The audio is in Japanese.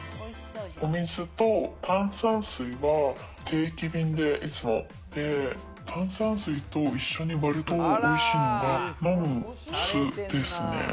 お水と炭酸水は定期便でいつも炭酸水と一緒に割るとおいしいのが飲む酢ですね。